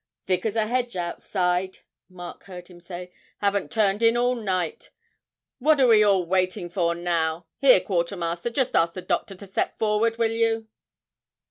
'Thick as a hedge outside,' Mark heard him say; 'haven't turned in all night. What are we all waiting for now? Here, quartermaster, just ask the doctor to step forward, will you?'